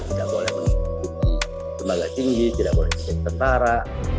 tidak boleh menjadi tenaga tinggi tidak boleh menjadi tentara